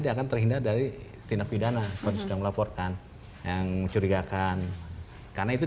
dia akan terhindar dari tindak pidana sudah melaporkan yang mencurigakan karena itu